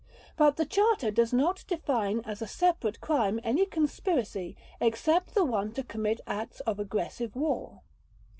But the Charter does not define as a separate crime any conspiracy except the one to commit acts of aggressive war.